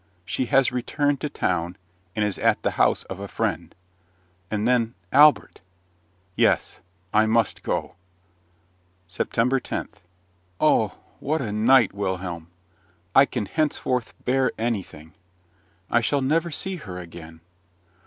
She has returned to town, and is at the house of a friend. And then, Albert yes, I must go. SEPTEMBER 10. Oh, what a night, Wilhelm! I can henceforth bear anything. I shall never see her again.